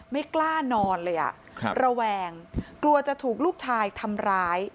ไม่กล้านอนเลยอ่ะระแวงกลัวจะถูกลูกชายทำร้าย